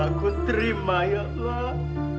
aku terima ya allah